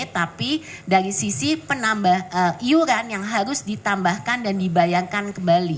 tapi dari sisi penambah iuran yang harus ditambahkan dan dibayangkan kembali